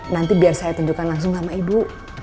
nanti biar saya tunjukkan langsung sama ibu